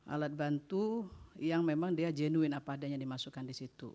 alat bantu yang memang dia jenuin apa adanya dimasukkan di situ